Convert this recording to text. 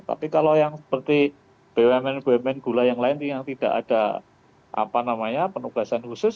tapi kalau yang seperti bumn bumn gula yang lain yang tidak ada penugasan khusus